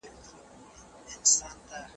ټولنیز فکر د خلکو په ذهنیت اغېز کوي.